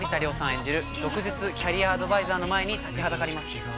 演じる毒舌キャリアアドバイザーの前に立ちはだかります！